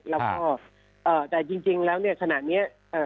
แล้วก็เอ่อแต่จริงจริงแล้วเนี้ยขณะเนี้ยเอ่อ